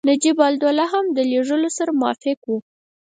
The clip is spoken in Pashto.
نجیب الدوله هم د لېږلو سره موافق وو.